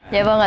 dạ vâng ạ